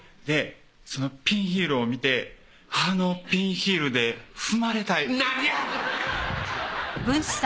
そのピンヒールを見てあのピンヒールで踏まれたい